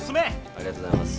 ありがとうございます。